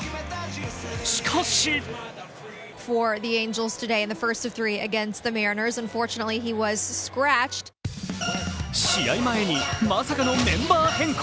しかし試合前にまさかのメンバー変更。